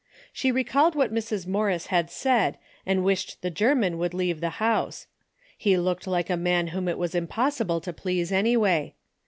She recalled what Mrs. Morris had said and wished the German would leave the house. He looked like a man whom it was impossible to please anyway.